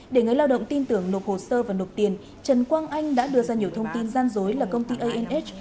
để người lao động tin tưởng nộp hồ sơ và nộp tiền trần quang anh đã đưa ra nhiều thông tin gian dối là công ty anh